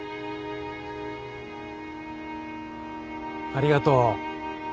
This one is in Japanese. ありがとう。